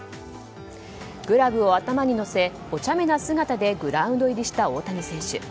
グラブを頭にのせおちゃめな姿でグラウンド入りした大谷選手。